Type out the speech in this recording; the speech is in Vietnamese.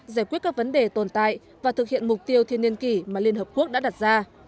giải quyết các vấn đề tồn tại và thực hiện mục tiêu thiên niên kỷ mà liên hợp quốc đã đặt ra